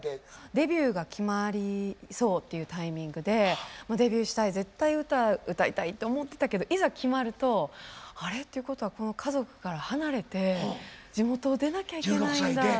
デビューが決まりそうっていうタイミングでデビューしたい絶対歌歌いたいって思ってたけどいざ決まると「あれ？っていうことはこの家族から離れて地元を出なきゃいけないんだ」って。